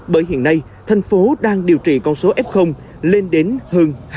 bởi hiện nay thành phố đang điều trị con số f lên đến hơn hai mươi